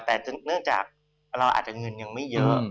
แต่ถ้าเราอาจจะเงินไม่เยอะ